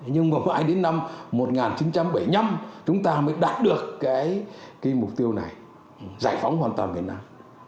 nhưng mà phải đến năm một nghìn chín trăm bảy mươi năm chúng ta mới đạt được cái mục tiêu này giải phóng hoàn toàn miền nam